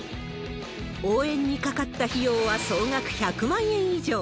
応援にかかった費用は総額１００万円以上。